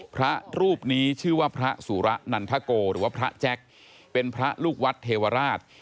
พระรูปนี้ชื่อว่าพระสุระนันทโกหรือว่าพระแจ็คเป็นพระลูกวัดเทวราช